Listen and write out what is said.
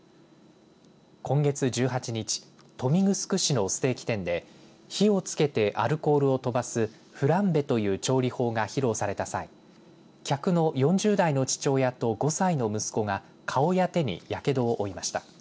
今月１８日豊見城市のステーキ店で火をつけて、アルコールを飛ばすフランベという調理法が披露された際客の４０代の父親と５歳の息子が顔や手にやけどを負いました。